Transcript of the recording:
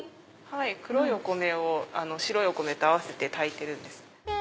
黒いお米を白いお米と合わせて炊いてるんです。